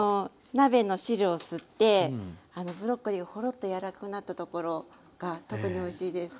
鍋の汁を吸ってブロッコリーがホロッと柔らかくなったところが特においしいです。